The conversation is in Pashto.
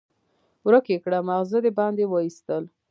ورک يې کړه؛ ماغزه دې باندې واېستل.